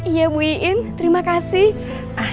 iya bu iin terima kasih